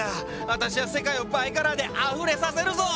私は世界をバイカラーであふれさせるぞ！